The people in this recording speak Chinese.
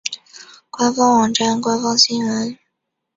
官方网站官方新闻